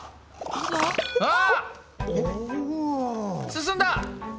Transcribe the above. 進んだ！